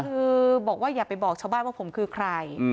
คือบอกว่าอย่าไปบอกชาวบ้านว่าผมคือใคร